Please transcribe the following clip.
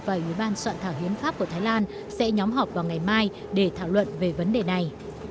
và ủy ban soạn thảo hiến pháp của thái lan sẽ nhóm họp vào ngày mai để thảo luận về vấn đề này